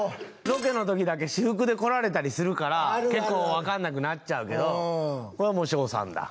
ロケのときだけ私服で来られたりするから結構分からなくなっちゃうけどこれは、もう翔さんだ。